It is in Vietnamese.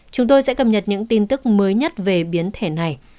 chúng tôi sẽ cập nhật những tin tức mới nhất về biến thể này